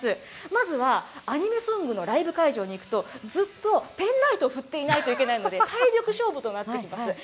まずは、アニメソングのライブ会場に行くと、ずっとペンライト振っていないといけないので、体力勝負となってきます。